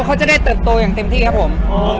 เขาจะได้เติบโตอย่างเต็มที่ครับผม